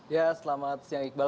ya selamat siang iqbal